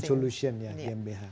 remote sensing solution ya imbh